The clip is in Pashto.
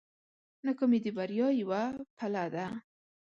ناکامي د بریا یوه پله ده.